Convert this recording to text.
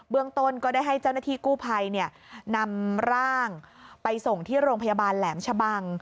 ต้นก็ได้ให้เจ้าหน้าที่กู้ภัยนำร่างไปส่งที่โรงพยาบาลแหลมชะบัง